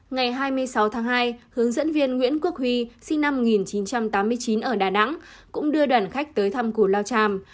ngày hai mươi sáu tháng hai hướng dẫn viên nguyễn quốc huy sinh năm một nghìn chín trăm tám mươi chín ở đà nẵng cũng đưa đoàn khách tới thăm củ lao tràm